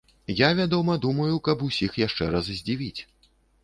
Я, вядома, думаю, каб усіх яшчэ раз здзівіць.